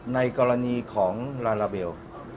ในกรณีของลาลาเบล